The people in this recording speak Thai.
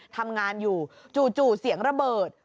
ทำงานอยู่จู่เสียงระเบิด